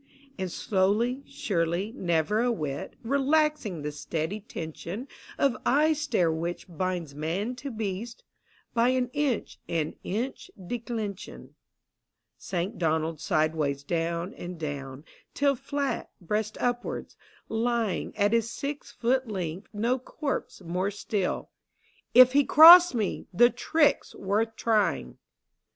" And slowly, surely, never a whit Relaxing the steady tension Of eye stare which binds man to beast, — By an inch and inch declension, Sank Donald sidewise down and down : Till flat, breast upwards, lying At his six foot length, no corpse more still, —" If lie cross me ! The trick's worth trying." 86 THE BOYS' BROWXWG.